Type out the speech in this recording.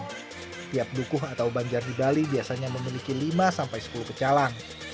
setiap dukuh atau banjar di bali biasanya memiliki lima sampai sepuluh pecalang